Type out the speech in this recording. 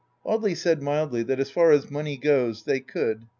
Audely said mildly that as far as money goes they could."